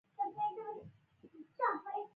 د مالدارۍ سم مدیریت د شتمنۍ راز دی.